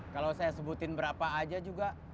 kalau saya sebutin berapa aja juga